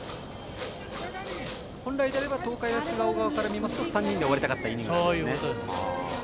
本来であれば東海大菅生からしますと３人で終わりたかったイニングなんですね。